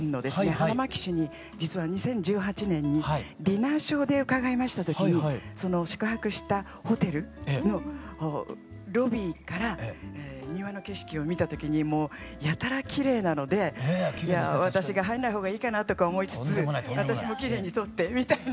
花巻市に実は２０１８年にディナーショーで伺いました時にその宿泊したホテルのロビーから庭の景色を見た時にもうやたらきれいなので私が入んない方がいいかなとか思いつつ私もきれいに撮ってみたいな。